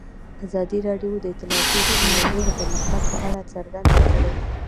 ازادي راډیو د اطلاعاتی تکنالوژي د پرمختګ په اړه هیله څرګنده کړې.